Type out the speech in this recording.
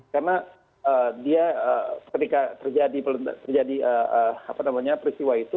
karena dia ketika terjadi peristiwa itu